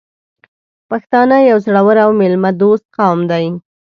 پښتانه یو زړور او میلمه دوست قوم دی .